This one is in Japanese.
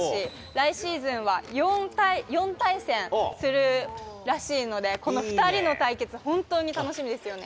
来シーズンは、４対戦するらしいので、この２人の対決、本当に楽しみですよね。